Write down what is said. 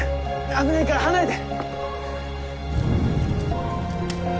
危ないから離れて。